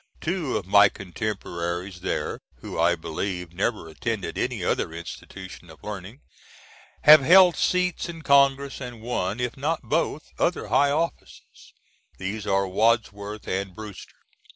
Two of my contemporaries there who, I believe, never attended any other institution of learning have held seats in Congress, and one, if not both, other high offices; these are Wadsworth and Brewster.